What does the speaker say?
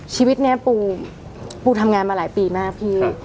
ชีวิตนี้ปูปูทำงานมาหลายปีมากพี่